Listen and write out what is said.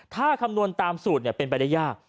ถ้าคำนวณตามสูตรเป็นไปได้ยาก